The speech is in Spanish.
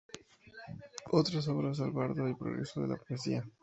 Otras obras: "El bardo" y "Progreso de la poesía".